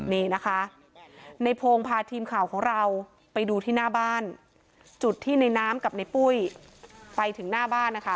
นี่นะคะในพงศ์พาทีมข่าวของเราไปดูที่หน้าบ้านจุดที่ในน้ำกับในปุ้ยไปถึงหน้าบ้านนะคะ